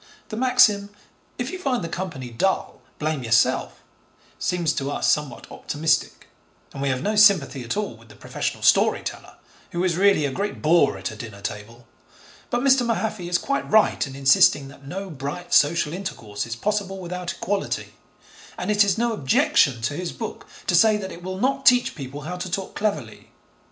The maxim, 'If you find the company dull, blame yourself,' seems to us somewhat optimistic, and we have no sympathy at all with the professional story teller who is really a great bore at a dinner table; but Mr. Mahaffy is quite right in insisting that no bright social intercourse is possible without equality, and it is no objection to his book to say that it will not teach people how to talk cleverly.